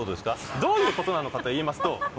どういうことかと言いますと。